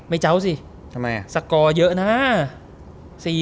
โปรดิวเซอร์ไม่ต้องย้ำสิ